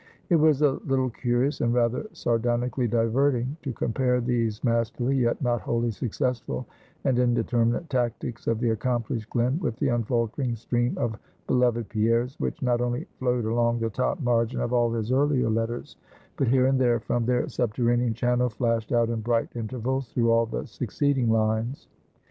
It was a little curious and rather sardonically diverting, to compare these masterly, yet not wholly successful, and indeterminate tactics of the accomplished Glen, with the unfaltering stream of Beloved Pierres, which not only flowed along the top margin of all his earlier letters, but here and there, from their subterranean channel, flashed out in bright intervals, through all the succeeding lines.